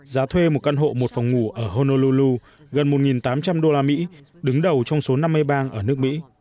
giá thuê một căn hộ một phòng ngủ ở honolulu gần một tám trăm linh đô la mỹ đứng đầu trong số năm mươi bang ở nước mỹ